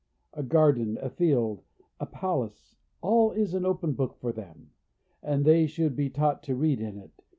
A garden, a field, a palace, all is an open book for them; and they should be taught to read in it.